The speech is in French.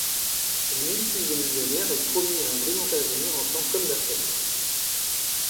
Lui, fils de millionnaire, est promis à un brillant avenir en tant qu'homme d'affaires.